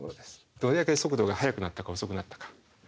どれだけ速度が速くなったか遅くなったか。